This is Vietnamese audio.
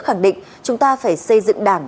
khẳng định chúng ta phải xây dựng đảng